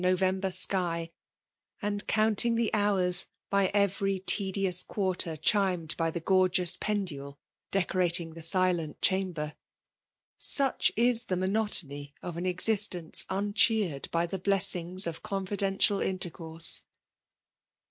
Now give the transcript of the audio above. November sky ; and counting the hsnuTB by every tedious . quarter diimed by tbe gorgeous pendule decocating the sUeut chamber* Such is the monotony of an exist* &KG un^eered by the blessings of confidential intercourse